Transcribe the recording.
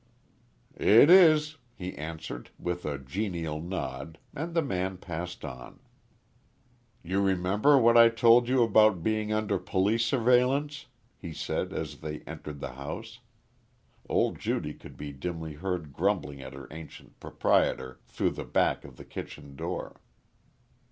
"It is," he answered, with a genial nod, and the man passed on. "You remember what I told you about being under police surveillance," he said as they entered the house old Judy could be dimly heard grumbling at her ancient proprietor through the back of the kitchen door.